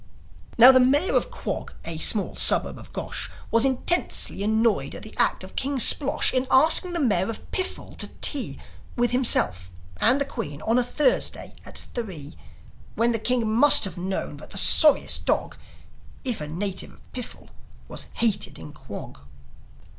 Now, the Mayor of Quog, a small suburb of Gosh, Was intensely annoyed at the act of King Splosh In asking the Mayor of Piphel to tea With himself and the Queen on a Thursday at three; When the King must have known that the sorriest dog, If a native of Piphel, was hated in Quog.